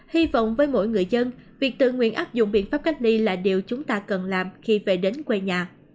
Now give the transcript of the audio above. hy vọng với mỗi người dân việc tự nguyện áp dụng biện pháp cách ly là điều chúng ta cần làm khi về đến quê nhà